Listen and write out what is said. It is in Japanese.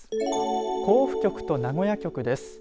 甲府局と名古屋局です。